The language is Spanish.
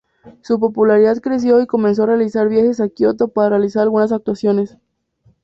Su popularidad creció, y comenzó a realizar viajes a Kioto para realizar algunas actuaciones.